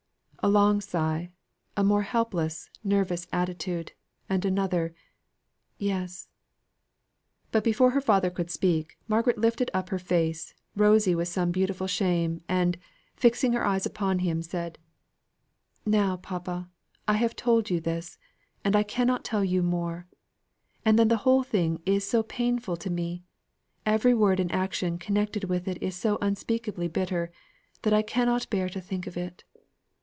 A long sigh: a more helpless, nerveless attitude, and another "Yes." But before her father could speak, Margaret lifted up her face, rosy with some beautiful shame, and, fixing her eyes upon him, said: "Now, papa, I have told you all this, and I cannot tell you more; and then the whole thing is so painful to me; every word and action connected with it is so unspeakably bitter, that I cannot bear to think of it.